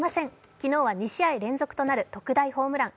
昨日は２試合連続となる特大ホームラン。